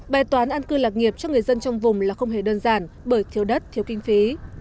bài toán an cư lạc nghiệp cho người dân trong vùng là không hề đơn giản bởi thiếu đất thiếu kinh phí